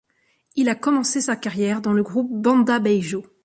Il a commencé sa carrière dans le groupe Banda Beijo.